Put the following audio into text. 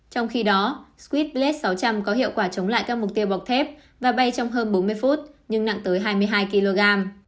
trong khi đó squit blate sáu trăm linh có hiệu quả chống lại các mục tiêu bọc thép và bay trong hơn bốn mươi phút nhưng nặng tới hai mươi hai kg